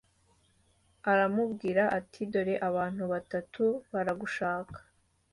Aramubwira ati dore abantu batatu baragushaka